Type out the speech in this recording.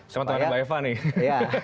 teman teman dari bapak eva nih